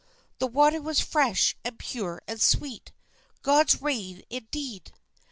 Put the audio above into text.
The water was fresh and pure and sweet, God's rain indeed.